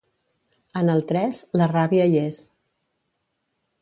En el tres, la ràbia hi és.